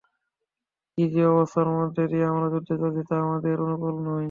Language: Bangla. কি যে অবস্থার মধ্য দিয়ে আমরা যুদ্ধে চলেছি, তা আমাদের অনুকূল নয়।